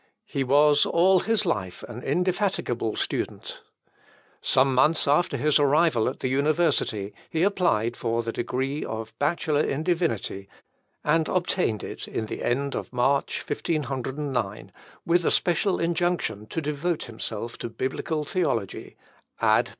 He was all his life an indefatigable student. Some months after his arrival at the university he applied for the degree of Bachelor in Divinity, and obtained it in the end of March 1509, with a special injunction to devote himself to biblical theology, ad Biblia.